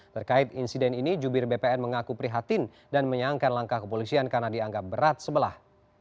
terkait insiden ini jubir bpn mengaku prihatin dan menyangka langkah kepolisian karena dianggap berat sebelah